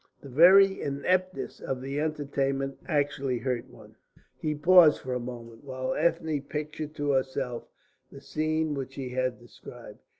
The very ineptness of the entertainment actually hurt one." He paused for a moment, while Ethne pictured to herself the scene which he had described.